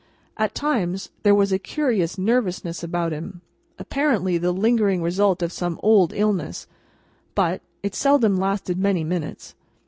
At times, there was a curious nervousness about him, apparently the lingering result of some old illness; but, it seldom lasted many minutes.